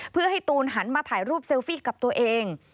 เพื่อให้ตูนหันมาถ่ายรูปเซลฟี่กับตัวเอง